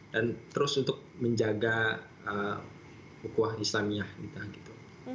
dan terus untuk menjaga bukuah islamiyah kita